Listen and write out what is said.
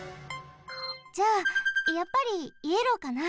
じゃあやっぱりイエローかな。